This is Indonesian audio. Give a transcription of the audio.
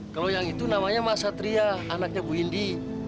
kalau yang itu namanya mas satria anaknya bu indi